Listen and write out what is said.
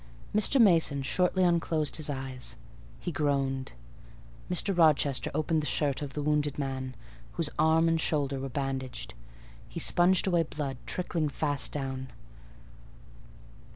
Mr. Mason shortly unclosed his eyes; he groaned. Mr. Rochester opened the shirt of the wounded man, whose arm and shoulder were bandaged: he sponged away blood, trickling fast down.